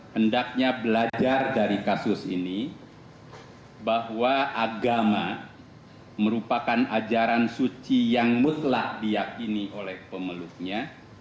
hendaknya belajar dari kasus ini bahwa agama merupakan ajaran suci yang mutlak diakini oleh pemeluknya